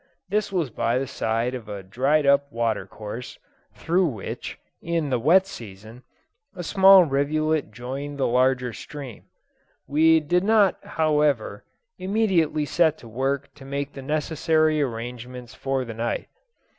This was by the side of a dried up water course, through which, in the wet season, a small rivulet joined the larger stream; we did not, however, immediately set to work to make the necessary arrangements for the night.